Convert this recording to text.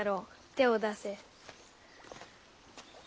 手を出せ。